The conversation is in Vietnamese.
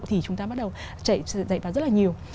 thì chúng ta bắt đầu chạy vào rất là nhiều